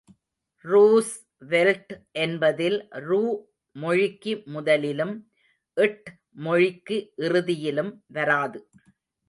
Roosevelt என்பதில் ரூ மொழிக்கு முதலிலும் ட் மொழிக்கு இறுதியிலும் வராது.